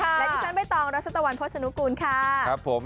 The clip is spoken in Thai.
และดิฉันใบตองรัชตะวันโภชนุกูลค่ะครับผม